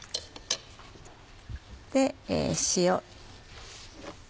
塩。